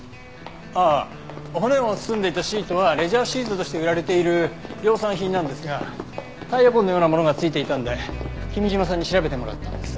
あっ骨を包んでいたシートはレジャーシートとして売られている量産品なんですがタイヤ痕のようなものがついていたので君嶋さんに調べてもらったんです。